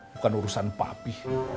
bukan urusan papi